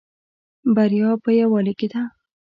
بریا په یوالی کې ده